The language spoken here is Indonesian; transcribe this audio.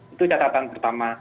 itu catatan pertama